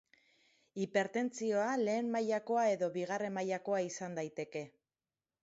Hipertentsioa lehen mailakoa edo bigarren mailakoa izan daiteke.